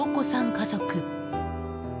家族。